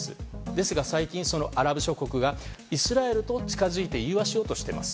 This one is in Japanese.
ですが最近、アラブ諸国がイスラエルと近づいて融和しようとしています。